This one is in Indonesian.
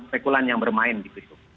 spekulan yang bermain gitu